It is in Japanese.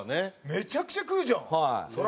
めちゃくちゃ食うじゃん！